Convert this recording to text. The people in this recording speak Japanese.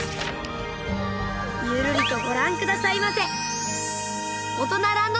ゆるりとご覧下さいませ。